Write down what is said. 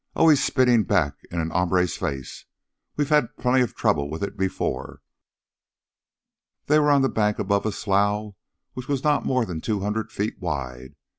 "Always spittin' back in an hombre's face. We've had plenty of trouble with it before." They were on a bank above a slough which was not more than two hundred feet wide.